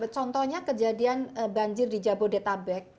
contohnya kejadian banjir di jabodetabek